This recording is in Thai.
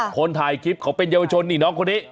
คนถ่ายคลิปเขาเป็นเยาวชนนี่น้องคนนี้